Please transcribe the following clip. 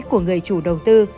của người chủ đầu tư